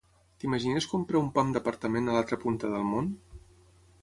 T'imagines comprar un pam d'apartament a l'altra punta del món?